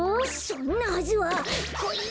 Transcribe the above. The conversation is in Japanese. そんなはずはこい！